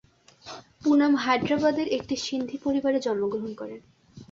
পুনম হায়দ্রাবাদের একটি সিন্ধি পরিবারে জন্মগ্রহণ করেন।